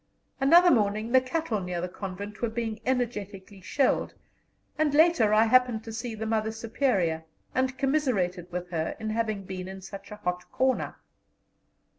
Another morning the cattle near the convent were being energetically shelled, and later I happened to see the Mother Superior, and commiserated with her in having been in such a hot corner.